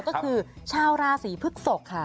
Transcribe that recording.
ก็คือชาวราศีพฤกษกค่ะ